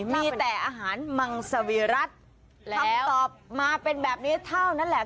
มีแต่อาหารมังสวีรัติคำตอบมาเป็นแบบนี้เท่านั้นแหละ